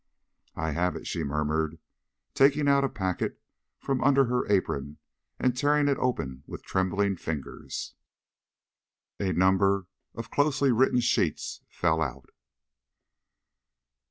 "I have it," she murmured, taking out a packet from under her apron and tearing it open with trembling fingers. A number of closely written sheets fell out.